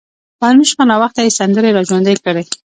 پرون شپه ناوخته يې سندرې را ژوندۍ کړې.